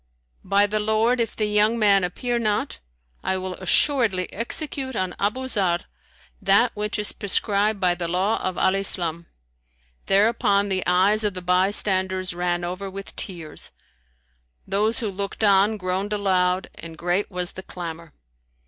"By the Lord, if the young man appear not, I will assuredly execute on Abu Zarr that which is prescribed by the law of Al Islam!"[FN#150] thereupon the eyes of the bystanders ran over with tears; those who looked on groaned aloud and great was the clamour.